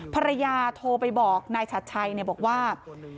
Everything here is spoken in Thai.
ภรรยาโทรไปบอกนายชัดชัยบอกว่า